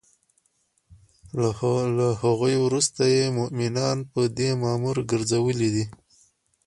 له هغوی وروسته یی مومنان په دی مامور ګرځولی دی